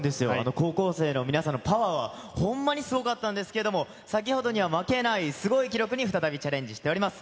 高校生の皆さんのパワーはほんまにすごかったんですけれども、先ほどには負けないすごい記録に再びチャレンジしております。